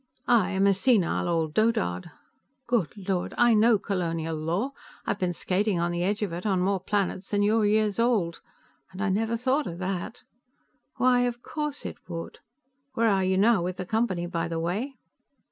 "I am a senile old dotard! Good Lord, I know colonial law; I've been skating on the edge of it on more planets than you're years old. And I never thought of that; why, of course it would. Where are you now, with the Company, by the way?"